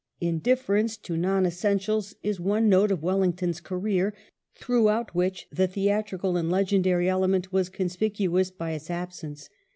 Indifference to non essentials is one note of Wellington's career, throughout which the theatrical and legendary element was conspicuous by its absence.